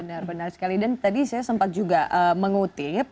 benar benar sekali dan tadi saya sempat juga mengutip